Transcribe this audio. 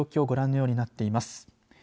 ご覧のようになっています。